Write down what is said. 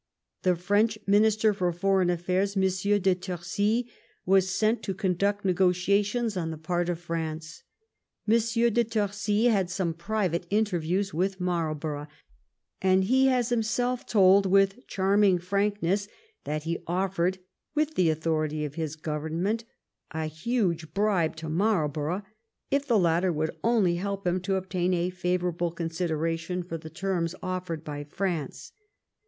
The French Min ister for Foreign Affairs, M. de Torcy, was sent to conduct negotiations on the part of France. M. de Torcy had some private interviews with Marlborough, and has himself told with charming frankness that he offered, with the authority of his government, a huge bribe to Marlborough if the latter would only help him to obtain a favorable consideration for the terms offered by France.